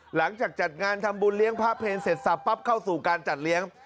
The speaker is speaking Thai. หลังจากจัดงานทำบุญเลี้ยงพระเพลเสร็จสับปั๊บเข้าสู่การจัดเลี้ยง